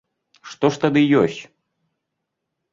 Што ж тады ёсць?